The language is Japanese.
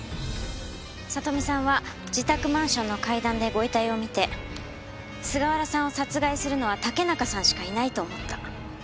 里美さんは自宅マンションの階段でご遺体を見て菅原さんを殺害するのは竹中さんしかいないと思った。